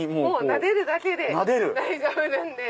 なでるだけで大丈夫なんで。